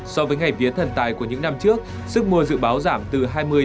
so với ngày viết thần tài của những năm trước sức mua dự báo giảm từ hai mươi ba mươi